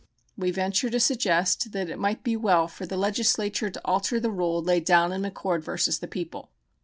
We venture to suggest that it might be Well for the Legislature to alter the rule laid down in McCord vs. People."